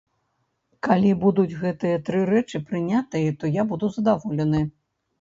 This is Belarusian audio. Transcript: Калі будуць гэтыя тры рэчы прынятыя, то я буду задаволены.